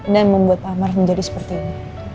dan membuat pak amar menjadi seperti ini